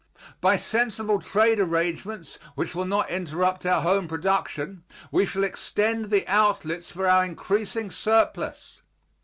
By sensible trade arrangements which will not interrupt our home production we shall extend the outlets for our increasing surplus.